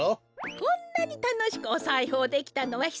こんなにたのしくおさいほうできたのはひさしぶりだね。